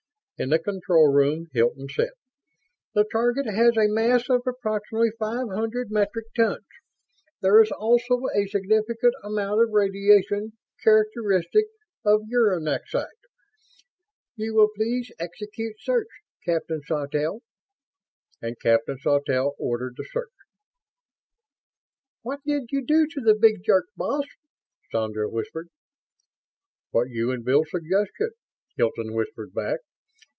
In the control room, Hilton said, "The target has a mass of approximately five hundred metric tons. There is also a significant amount of radiation characteristic of uranexite. You will please execute search, Captain Sawtelle." And Captain Sawtelle ordered the search. "What did you do to the big jerk, boss?" Sandra whispered. "What you and Bill suggested," Hilton whispered back.